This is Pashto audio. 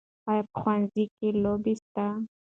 آیا په ښوونځي کې لوبې سته؟